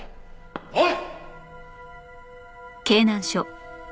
おい！